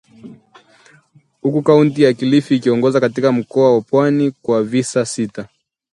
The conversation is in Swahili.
huku kaunti ya Kilifi ikiongoza katika mkoa wa pwani kwa visa sita